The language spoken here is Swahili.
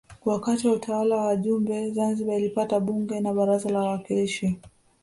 Wakati wa utawala wa Jumbe Zanzibar ilipata Bunge na Baraza la Uwakilishi